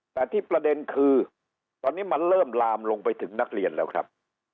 แต่ที่ประเด็นคือตอนนี้มันเริ่มลามลงไปถึงนักเรียนแล้วครับ